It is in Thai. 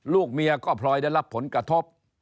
ลูกเมียก็พลอยได้รับผลกระทบ